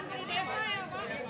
nanti menteri desa ya pak